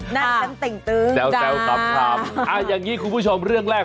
หน้าฉันติ่งตื้งแซวแซวตับถามอ่าอย่างงี้คุณผู้ชมเรื่องแรก